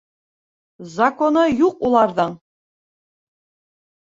Законы юҡ уларҙың.